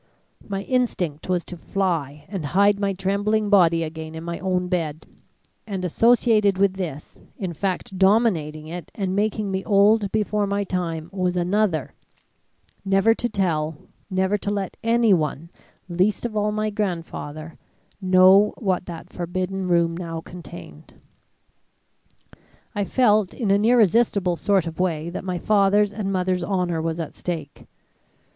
My instinct was to fly and hide my trembling body again in my own bed; and associated with this, in fact dominating it and making me old before my time, was another never to tell; never to let anyone, least of all my grandfather know what that forbidden room now contained. I felt in an irresistible sort of way that my father's and mother's honour was at stake.